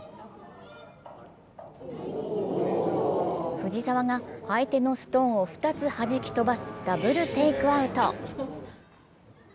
藤澤が相手のストーンを２つはじき飛ばすダブルテイクアウト。